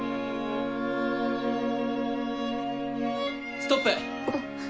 ストップ。